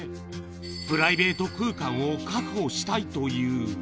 プライベート空間を確保したいという。